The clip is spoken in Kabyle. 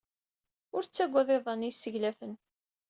Ur ttagad iḍan ay yesseglafen.